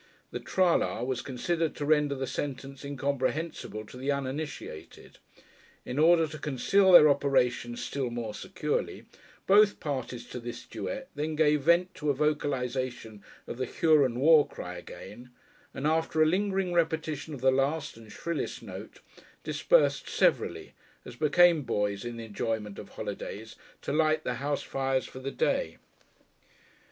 The "tra la" was considered to render this sentence incomprehensible to the uninitiated. In order to conceal their operations still more securely, both parties to this duet then gave vent to a vocalisation of the Huron war cry again, and after a lingering repetition of the last and shrillest note, dispersed severally, as became boys in the enjoyment of holidays, to light the house fires for the day.